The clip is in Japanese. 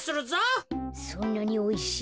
そんなにおいしい？